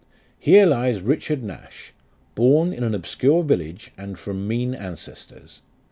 Here lies RICHARD NASH, Born in an obscure village, And from mean ancestors.